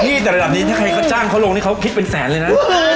นี่ก็ระดับนี้ถ้าใครจ้างเขาเขาก็คิดเป็นแสนเลยนะ